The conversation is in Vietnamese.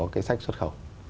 cái sách xuất khẩu